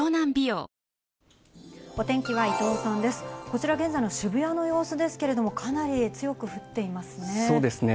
こちら、現在の渋谷の様子ですけれども、かなり強く降っていますそうですね。